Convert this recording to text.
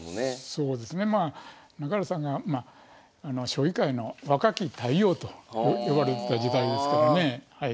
そうですねまあ中原さんが「将棋界の若き太陽」と呼ばれてた時代ですからね。